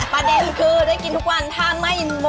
ประเด็นคือได้กินทุกวันถ้าไม่